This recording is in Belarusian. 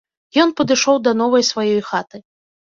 Ён падышоў да новай сваёй хаты.